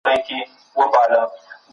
په علمي بحثونو کي به برخه اخلئ.